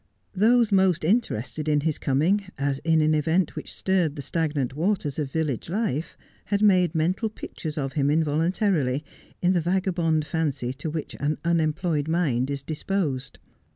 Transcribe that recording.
Those most interested in his coming, as in an event which stirred the stagnant waters of village life, had made mental pictures of him involuntarily, in the vagabond fancy to which an unemployed mind is disposed.